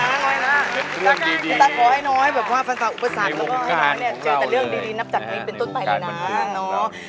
พี่ตั๊กขอให้น้อยแบบว่าพรรษอุปสรรคแล้วก็ให้น้องเนี่ยเจอแต่เรื่องดีนับจากนี้เป็นต้นไปเลยนะ